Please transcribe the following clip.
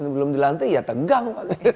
belum dilantik ya tegang